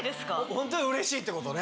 ホントにうれしいってことね。